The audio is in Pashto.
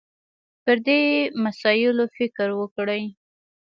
پر دې مسایلو فکر وکړي